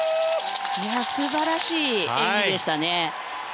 素晴らしい演技でしたね。